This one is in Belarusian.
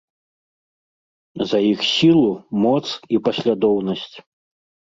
За іх сілу, моц і паслядоўнасць.